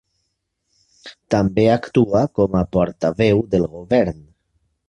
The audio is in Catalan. També actua com a Portaveu del Govern.